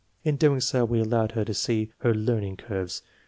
In doing so we allowed her to see her learning curves.